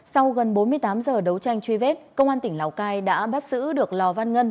sau gần bốn mươi tám giờ đấu tranh truy vết công an tỉnh lào cai đã bắt giữ được lò văn ngân